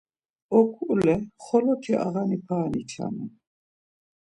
Oǩule xoloti ağani para niçanen.